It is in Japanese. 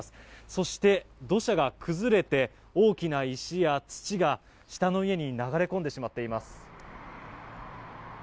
そして、土砂が崩れて大きな石や土が下の家に流れ込んでしまっています。